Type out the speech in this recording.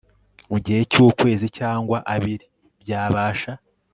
mu gihe cyukwezi cyangwa abiri byabasha